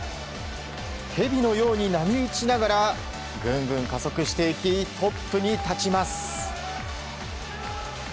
蛇のように波打ちながらぐんぐん加速していきトップに立ちます。